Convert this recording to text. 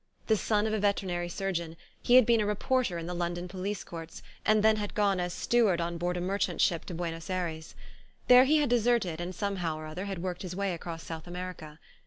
The son of a veterinary surgeon, he had been a reporter in the London police courts and then had gone as steward on board a merchant ship to Buenos Ayres. There he had deserted and somehow or other had worked his way across South America.